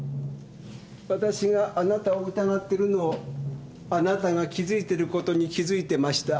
わたしがあなたを疑ってるのをあなたが気づいてることに気づいてました。